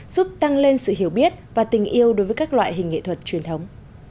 giúp tăng lên sự hiểu biết và tình yêu đối với các loại hình nghệ thuật truyền thống